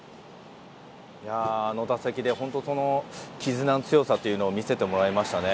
あの打席で本当に絆の強さを見せてもらいましたね。